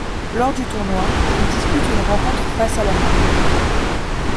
Lors du tournoi, il dispute une rencontre face à l'Allemagne.